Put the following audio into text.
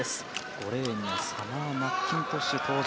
５レーンのサマー・マッキントッシュ登場。